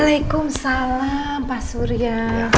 waalaikumsalam pak surya